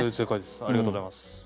ありがとうございます。